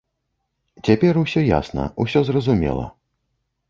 Цяпер усё ясна, усё зразумела.